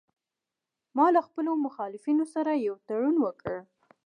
ما له خپلو مخالفینو سره یو تړون وکړ